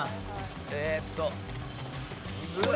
えーっと。